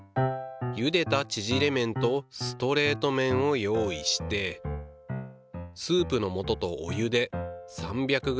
ゆでたちぢれ麺とストレート麺を用意してスープのもととお湯で３００ｇ